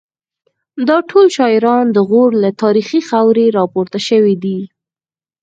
دا ټول شاعران د غور له تاریخي خاورې راپورته شوي دي